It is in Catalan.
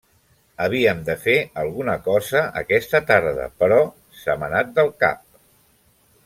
Havíem de fer alguna cosa aquesta tarda, però se m'ha anat del cap.